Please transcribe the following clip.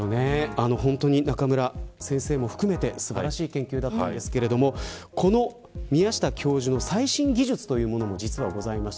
中村先生も含めて素晴らしい研究だったんですがこの宮下教授の最新技術というものもございます。